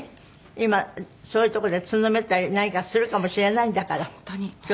今そういうとこでつんのめったり何かするかもしれないんだから気を付けないとね。